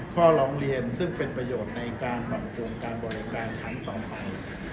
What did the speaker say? ข้อร้องเรียนซึ่งเป็นประโยชน์ในการปรับปรุงการบริการครั้งต่อไป